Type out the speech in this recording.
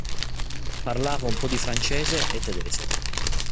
Parlava un po' di francese e tedesco.